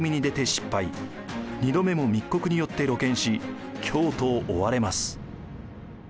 ２度目も密告によって露見し京都を追われます。